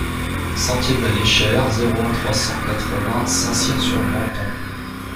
Sentier de la Léchère, zéro un, trois cent quatre-vingts Saint-Cyr-sur-Menthon